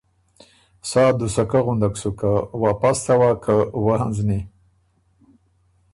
سا دُسکۀ غُندک سُک که واپس څوا که وۀ هنزنی۔